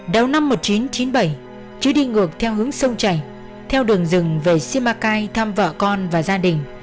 đầu năm một nghìn chín trăm chín mươi bảy chứ đi ngược theo hướng sông chảy theo đường rừng về simacai thăm vợ con và gia đình